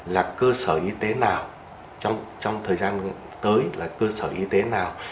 là cơ sở y tế nào trong thời gian tới là cơ sở y tế nào